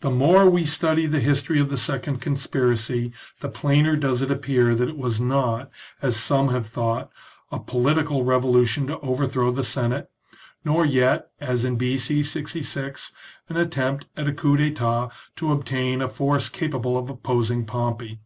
The more we study the history of the second conspiracy the plainer does it appear that it was not, as some have thought, a political revolution to overthrow the Senate, nor yet, as in B.C. 66, an attempt at a cottp (Tetat to obtain a force capable of opposing Pompey.